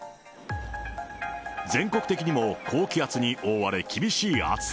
全国的にも高気圧に覆われ、厳しい暑さ。